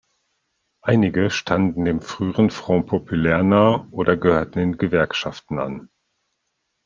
Einige standen dem früheren Front populaire nahe oder gehörten den Gewerkschaften an.